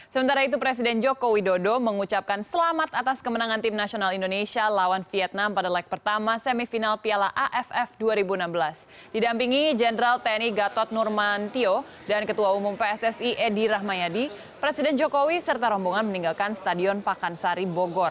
sementara itu presiden joko widodo mengucapkan selamat atas kemenangan timnas indonesia lawan vietnam pada hari ini